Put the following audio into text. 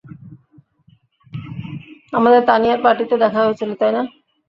আমাদের তানিয়ার পার্টিতে দেখা হয়ে ছিল তাই না?